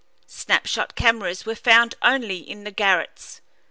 Snap shot cameras were found only in the garrets.